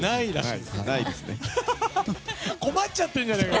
困っちゃってるじゃないか！